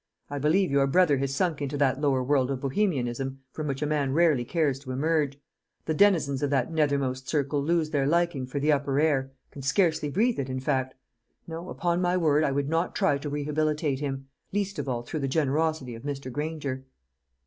I believe your brother has sunk into that lower world of Bohemianism from which a man rarely cares to emerge. The denizens of that nethermost circle lose their liking for the upper air, can scarcely breathe it, in fact. No, upon my word, I would not try to rehabilitate him; least of all through the generosity of Mr. Granger."